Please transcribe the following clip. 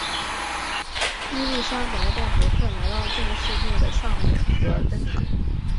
伊丽莎白带伯克来到了这个世界的上面和灯塔。